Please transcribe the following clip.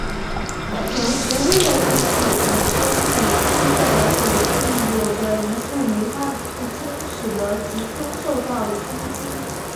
从石黑的日记得知美几的手臂有着一束梅花的刺青使得吉村受到了冲击。